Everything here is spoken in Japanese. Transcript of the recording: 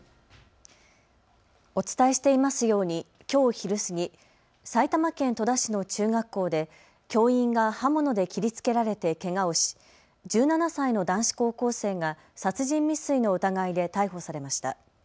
お伝えしていますようにきょう昼過ぎ、埼玉県戸田市の中学校で教員が刃物で切りつけられてけがをし１７歳の男子高校生が殺人未遂の疑いで逮捕されました。